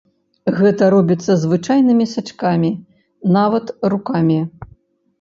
Гэта робіцца звычайнымі сачкамі, нават рукамі!